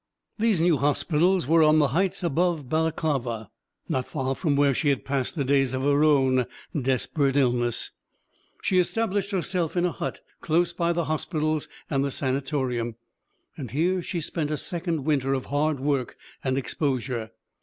These new hospitals were on the heights above Balaklava, not far from where she had passed the days of her own desperate illness. She established herself in a hut close by the hospitals and the Sanatorium, and here she spent a second winter of hard work and exposure.